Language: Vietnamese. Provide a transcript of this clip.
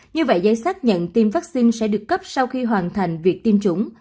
như vậy giấy xác nhận tiêm vaccine sẽ được cấp sau khi hoàn thành việc tiêm chủng